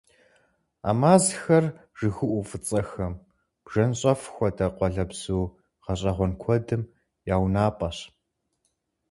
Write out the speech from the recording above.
А мазхэр жыгыуӀу фӀыцӀэхэм, бжэнщӀэф хуэдэ къуалэбзу гъэщӀэгъуэн куэдым я унапӏэщ.